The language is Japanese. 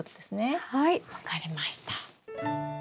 はい分かりました。